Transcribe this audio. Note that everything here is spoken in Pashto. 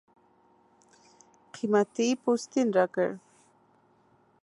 قېمتي پوستین راکړ.